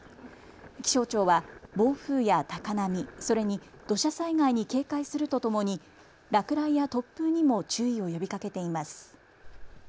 気象庁は暴風や高波、それに土砂災害に警戒するとともに落雷や突風にも注意を呼びかけています。